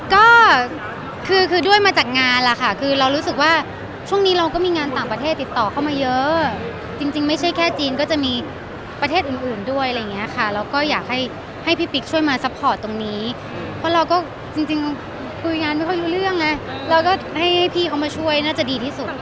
ก็คือคือด้วยมาจากงานล่ะค่ะคือเรารู้สึกว่าช่วงนี้เราก็มีงานต่างประเทศติดต่อเข้ามาเยอะจริงไม่ใช่แค่จีนก็จะมีประเทศอื่นอื่นด้วยอะไรอย่างเงี้ยค่ะแล้วก็อยากให้ให้พี่ปิ๊กช่วยมาซัพพอร์ตตรงนี้เพราะเราก็จริงคุยงานไม่ค่อยรู้เรื่องไงเราก็ให้พี่เขามาช่วยน่าจะดีที่สุด